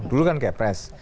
dulu kan kayak pres